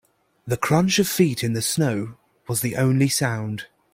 The crunch of feet in the snow was the only sound.